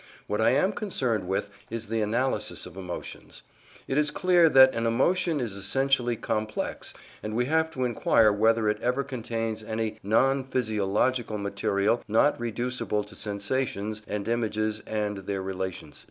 What I am concerned with is the analysis of emotions. It is clear that an emotion is essentially complex, and we have to inquire whether it ever contains any non physiological material not reducible to sensations and images and their relations.